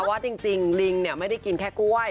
ว่าจริงลิงไม่ได้กินแค่กล้วย